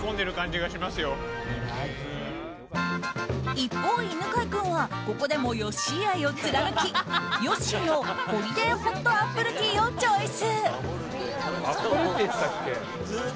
一方、犬飼君はここでもヨッシー愛を貫きヨッシーのホリデー・ホットアップルティーをチョイス。